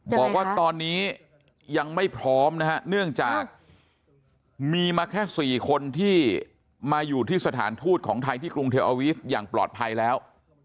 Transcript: บอกว่าตอนนี้ยังไม่พร้อมนะฮะเนื่องจากมีมาแค่๔คนที่มาอยู่ที่สถานทูตของไทยที่กรุงเทลอาวีฟอย่างปลอดภัยแล้ว